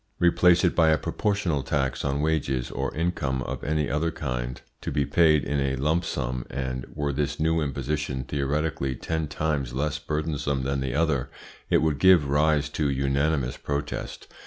Replace it by a proportional tax on wages or income of any other kind, to be paid in a lump sum, and were this new imposition theoretically ten times less burdensome than the other, it would give rise to unanimous protest.